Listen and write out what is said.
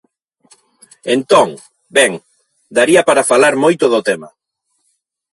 Entón, ben, daría para falar moito do tema.